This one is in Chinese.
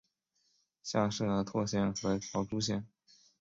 下设柘县和乔珠县。